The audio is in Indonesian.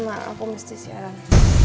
maaf aku mesti siaran